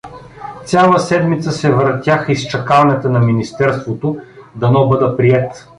Цяла седмица се въртях из чакалнята на министерството, дано бъда приет.